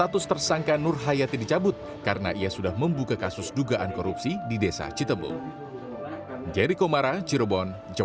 tindakan nur hayati dicabut karena ia sudah membuka kasus dugaan korupsi di desa citembu